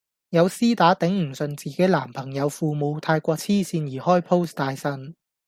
有絲打頂唔順自己男朋友父母太過痴線而開 post 大呻